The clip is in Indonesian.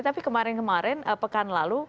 tapi kemarin kemarin pekan lalu